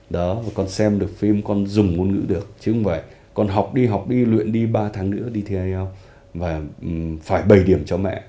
đó còn xem được phim con dùng ngôn ngữ được chứ không phải con học đi học đi luyện đi ba tháng nữa đi thi và phải bảy điểm cho mẹ